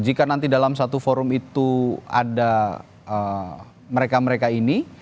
jika nanti dalam satu forum itu ada mereka mereka ini